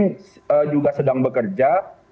kita juga sedang bekerja